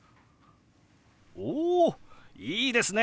おいいですね！